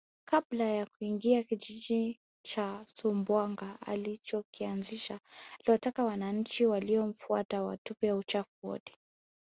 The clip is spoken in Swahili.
Kabla ya kuingia kijiji cha Sumbawanga alichokianzisha aliwataka wananchi waliomfuata watupe uchafu wote